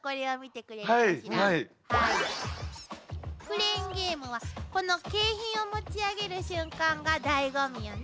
クレーンゲームはこの景品を持ち上げる瞬間がだいご味よね。